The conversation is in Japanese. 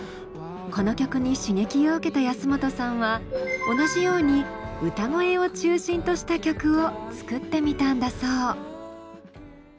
この曲に刺激を受けた安本さんは同じように歌声を中心とした曲を作ってみたんだそう。